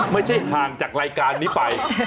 ไม่ใช่ห่างจากรายการนี้ไป